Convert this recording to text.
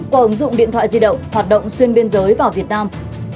qua ứng dụng điện thoại di động hoạt động xuyên biên giới vào việt nam